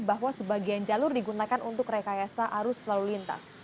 bahwa sebagian jalur digunakan untuk rekayasa arus lalu lintas